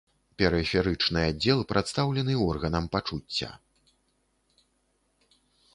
Перыферычны аддзел прадстаўлены органам пачуцця.